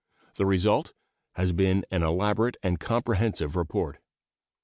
The result has been an elaborate and comprehensive report.